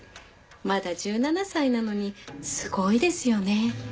まだ１７歳なのにすごいですよね。